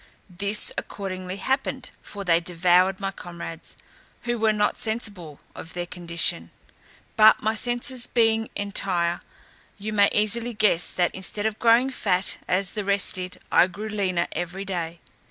This accordingly happened, for they devoured my comrades, who were not sensible of their condition; but my senses being entire, you may easily guess that instead of growing fat, as the rest did, I grew leaner every day.